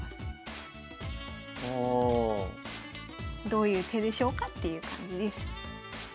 どういう手でしょうかっていう感じです。